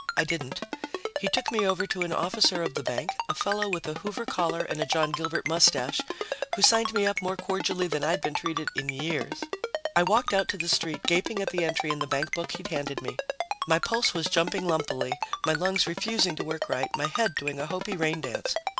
I didn't. He took me over to an officer of the bank, a fellow with a Hoover collar and a John Gilbert mustache, who signed me up more cordially than I'd been treated in years. I walked out to the street, gaping at the entry in the bankbook he'd handed me. My pulse was jumping lumpily, my lungs refusing to work right, my head doing a Hopi rain dance.